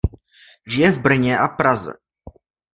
Žije v Brně a Praze.